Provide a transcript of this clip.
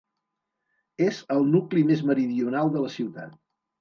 És el nucli més meridional de la ciutat.